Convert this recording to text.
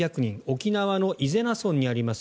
沖縄の伊是名村にあります